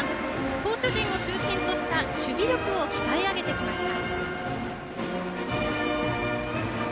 投手陣を中心とした守備力を鍛え上げてきました。